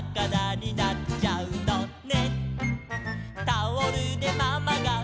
「くじらになっちゃうのね」